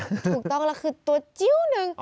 ถูกต้องแล้วคือตัวจิ้วหนึ่ง